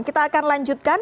kita akan lanjutkan